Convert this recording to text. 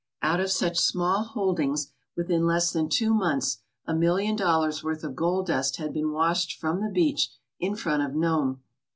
Out of such small holdings within less than two months a million dollars' worth of gold dust had been washed from the beach in front of Nome.